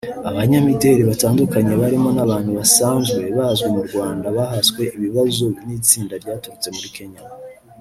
Abanyamideli batandukanye barimo n’abantu baasanzwe bazwi mu Rwanda bahaswe ibibazo n’itsinda ryaturutse muri Kenya